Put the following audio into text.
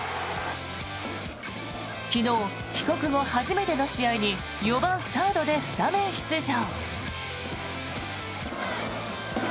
昨日、帰国後初めての試合に４番サードでスタメン出場。